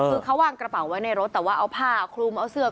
คือเขาวางกระเป๋าไว้ในรถแต่ว่าเอาผ้าคลุมเอาเสื้อ